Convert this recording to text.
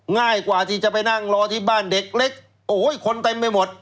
ง่ายกว่าที่จะไปนั่งรอที่บ้านเด็กเล็กโอ้โหคนเต็มไปหมด